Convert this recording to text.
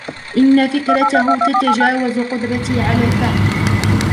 إن فكرته تتجاوز قدرتي على الفهم.